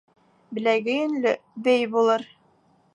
Беләге йөнлө бей булыр